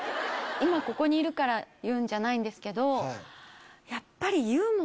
今ここにいるから言うんじゃないんですけどやっぱり。